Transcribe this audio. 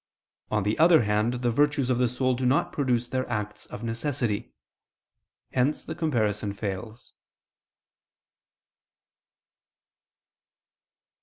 On the other hand, the virtues of the soul do not produce their acts of necessity; hence the comparison fails.